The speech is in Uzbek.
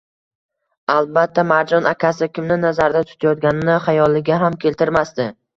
Albatta, Marjon akasi kimni nazarda tutayotganini xayoliga ham keltirmasdi